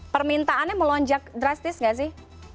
permintaannya melonjak drastis nggak sih